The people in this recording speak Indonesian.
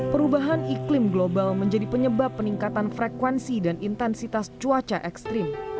perubahan iklim global menjadi penyebab peningkatan frekuensi dan intensitas cuaca ekstrim